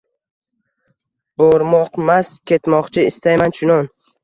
Bormoqmas, ketmoqni istayman chunon